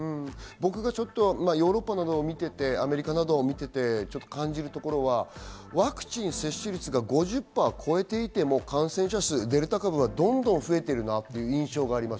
僕はヨーロッパなどを見ていて、アメリカなどを見ていて感じるところはワクチン接種率が５０％を超えていても感染者数、デルタ株はどんどん増えているなという印象があります。